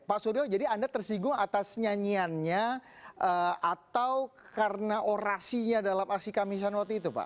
pak suryo jadi anda tersinggung atas nyanyiannya atau karena orasinya dalam aksi kamisan waktu itu pak